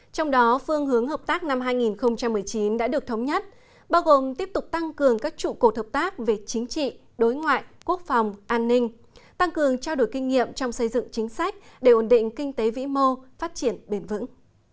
trong đó phương hướng hợp tác năm hai nghìn một mươi chín đã được thống nhất bao gồm tiếp tục tăng cường các trụ cột hợp tác về chính trị đối ngoại quốc phòng an ninh tăng cường trao đổi kinh nghiệm trong xây dựng chính sách để ổn định kinh tế vĩ mô phát triển bền vững